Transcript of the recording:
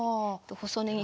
細ねぎ